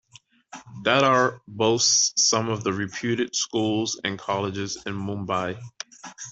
Dadar boasts some of the reputed schools and colleges in Mumbai.